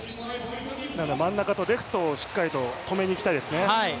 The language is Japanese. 真ん中とレフトをしっかりと止めにいきたいですね。